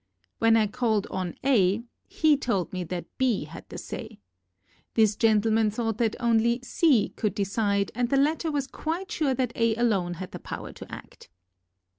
When I called on A he told me that B had the say. This gentleman thought that only C could decide and the latter was quite sure that A alone had the power to act.